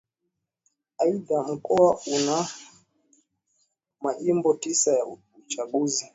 Aidha Mkoa una Majimbo tisa ya uchaguzi